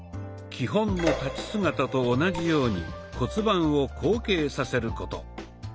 基本の立ち姿と同じように骨盤を後傾させること。